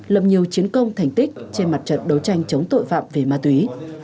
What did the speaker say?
lập nhiều chiến công thành tích trên mặt trận đấu tranh chống tội phạm về ma túy